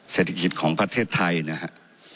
เศรษฐกิจของประเทศไทยนะฮะ